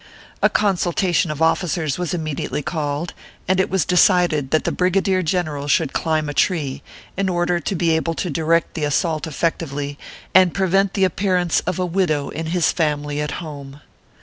A consultation of officers was immediately called, and it was decided that the Brigadier General should climb a tree, in order to be able to direct the assault effectively, and prevent the 52 ORPHEUS C. KERR PAPERS. appearance of a widow in his family at home.